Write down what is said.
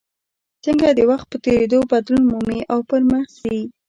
څنګه د وخت په تېرېدو بدلون مومي او پرمخ ځي.